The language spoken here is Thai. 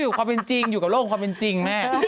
อยู่ความเป็นจริงอยู่กับโลกความเป็นจริงแม่